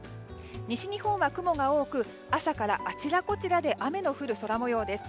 西日本は雲が多く朝からあちらこちらで雨の降る空模様です。